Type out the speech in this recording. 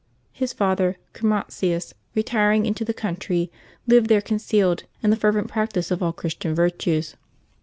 His father, Chromatius, retiring into the country, lived there concealed, in the fervent practice of all Christian virtues.